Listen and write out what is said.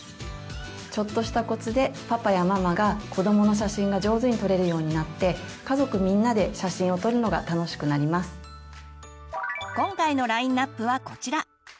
ちょっとしたコツでパパやママが子どもの写真が上手に撮れるようになって今回のラインアップはこちら。